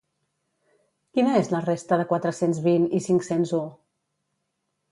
Quina és la resta de quatre-cents vint i cinc-cents u?